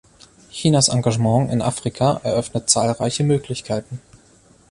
Chinas Engagement in Afrika eröffnet zahlreiche Möglichkeiten.